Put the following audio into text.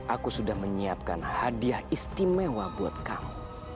aku sudah menyiapkan hadiah istimewa buat kamu